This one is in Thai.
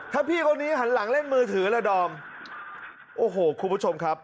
ถ้าพี่คนนี้หันหลังเล่นมือถือละดอมโอ้โหคุณผู้ชมครับ